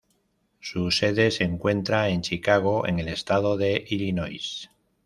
Su sede se encuentra en Chicago, en el estado de Illinois.